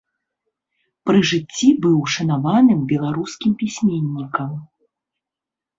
Пры жыцці быў шанаваным беларускім пісьменнікам.